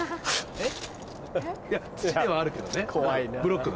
えっ？